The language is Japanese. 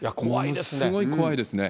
ものすごい怖いですね。